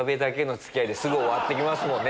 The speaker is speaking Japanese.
ですぐ終わっていきますもんね